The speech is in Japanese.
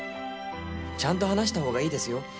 ちゃんと話した方がいいですよ